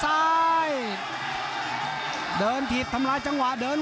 ภูตวรรณสิทธิ์บุญมีน้ำเงิน